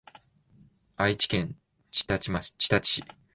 愛知県知立市